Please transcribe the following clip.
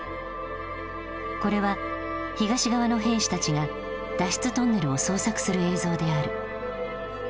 これは東側の兵士たちが脱出トンネルを捜索する映像である。